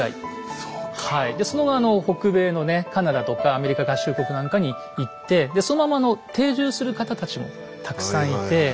でその後北米のねカナダとかアメリカ合衆国なんかに行ってでそのままあの定住する方たちもたくさんいて。